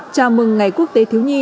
chào mừng ngày quốc tế thiếu nhi